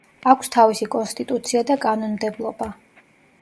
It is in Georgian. აქვს თავისი კონსტიტუცია და კანონმდებლობა.